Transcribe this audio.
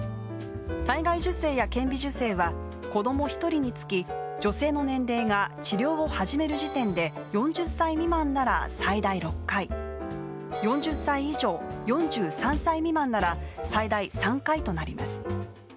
体外受精や顕微授精は子供１人につき、女性の年齢が治療を始める時点で４０歳未満なら最大６回４０歳以上４３歳未満なら最大３回となります。